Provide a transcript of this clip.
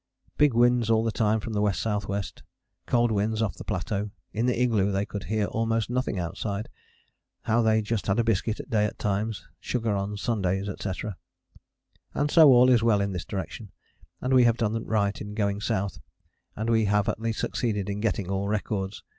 Big winds all the time from the W.S.W., cold winds off the plateau in the igloo they could hear almost nothing outside how they just had a biscuit a day at times, sugar on Sundays, etc. And so all is well in this direction, and we have done right in going south, and we have at least succeeded in getting all records.